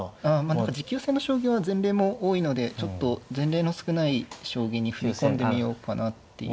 あ何か持久戦の将棋は前例も多いのでちょっと前例の少ない将棋に踏み込んでみようかなっていう。